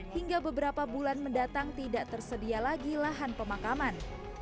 hingga beberapa bulan mendatang tidak tersedia lagi lahan pemakaman